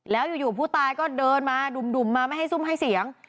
แล้วอยู่ผู้ตายก็เดินมาดุ่มมาไม่ให้ซุ่มให้เสียง